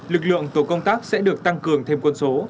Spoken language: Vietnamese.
lực lượng tổ công tác sẽ được tăng cường thêm quân số